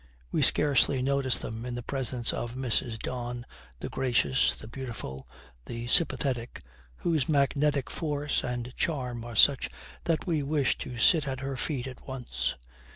We scarcely notice them in the presence of Mrs. Don, the gracious, the beautiful, the sympathetic, whose magnetic force and charm are such that we wish to sit at her feet at once.